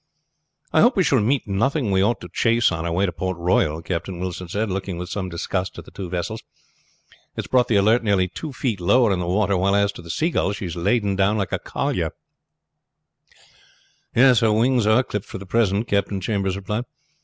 "I hope we shall meet nothing we ought to chase on our way to Port Royal," Captain Wilson said, looking with some disgust at the two vessels. "It has brought the Alert nearly two feet lower in the water; while as to the Seagull she is laden down like a collier." "Yes, her wings are clipped for the present," Captain Chambers replied.